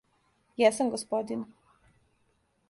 Јесам, господине!